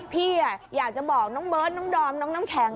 พี่อยากจะบอกน้องเบิร์ตน้องดอมน้องน้ำแข็ง